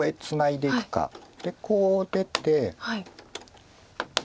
でこう出て。